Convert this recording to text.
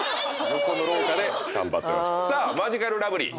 さあマヂカルラブリー